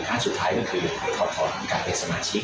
ขั้นสุดท้ายก็คือผลดขอดผลังการเป็นสมาชิก